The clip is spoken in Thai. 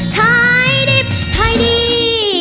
ค่ายดิบค่ายดี